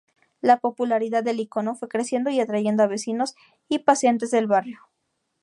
La popularidad del icono fue creciendo y atrayendo a vecinos y paseantes del barrio.